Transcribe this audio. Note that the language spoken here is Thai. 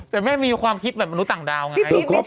แต่แม่มีความคิดแบบมนุษย์ต่างดาวไง